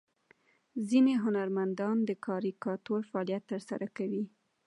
ځینې هنرمندان د کاریکاتور فعالیت ترسره کوي.